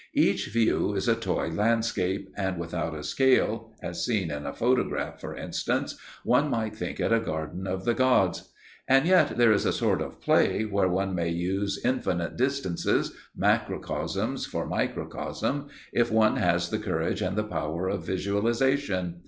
Each view is a toy landscape, and without a scale, as seen in a photograph, for instance, one might think it a garden of the gods. And yet, there is a sort of play where one may use infinite distances, macrocosms for microcosms, if one has the courage and the power of visualization.